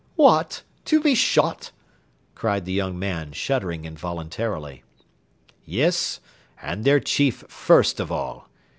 "What! to be shot!" cried the young man, shuddering involuntarily. "Yes, and their chief first of all.